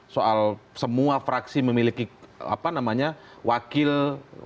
soal semua fraksi memiliki wakilnya begitu diberi